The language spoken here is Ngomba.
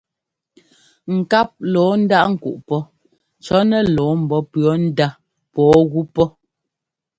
Ŋkáp lɔɔ ndáꞌ kúꞌ pɔ́ cɔ̌ nɛ lɔɔ mbɔ́ pʉɔ ndá pɔɔ gú pɔ́.